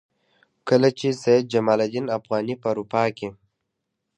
کله چې سید جمال الدین افغاني په اروپا کې.